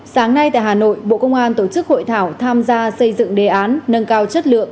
sáng nay tại hà nội bộ công an tổ chức hội thảo tham gia xây dựng đề án nâng cao chất lượng